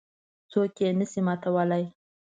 څوک یې نه شي ماتولای.